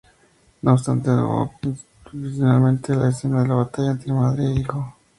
No obstante alabó positivamente la escena de la batalla entre madre e hijo.